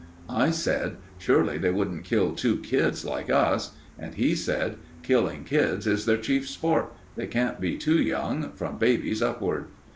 I said: "Surely they wouldn't kill two kids like us?" And he said: "Killing kids is their chief sport. They can't be too young from babies upward."